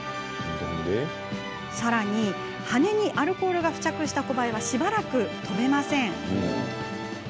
さらに、羽にアルコールが付着したコバエはしばらく飛べません。